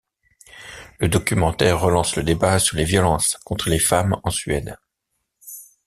Le documentaire relance le débat sur les violences contre les femmes en Suède.